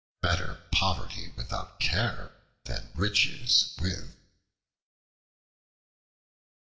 Better poverty without care, than riches with.